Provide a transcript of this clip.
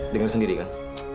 dengar sendiri kan